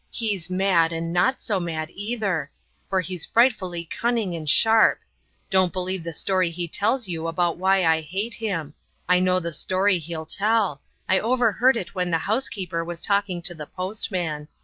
He's mad and not so mad, either; for he frightfully cunning and sharp. Don't believe the story he tells you about why I hate him. I know the story he'll tell; I overheard it when the housekeeper was talking to the postman.